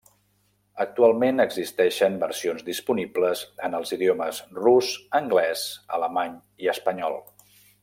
Actualment existeixen versions disponibles en els idiomes rus, anglès, alemany i espanyol.